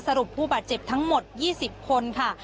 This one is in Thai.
ผู้บาดเจ็บทั้งหมด๒๐คนค่ะ